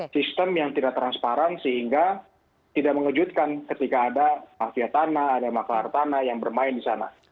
sistem yang tidak transparan sehingga tidak mengejutkan ketika ada mafia tanah ada maklar tanah yang bermain di sana